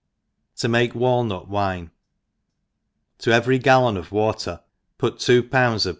TomakeWALHiVT Wive. TO every gallon of water put two pounds of.